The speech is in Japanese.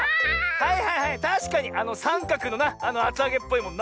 はいはいはいたしかにあのさんかくのなあつあげっぽいもんな。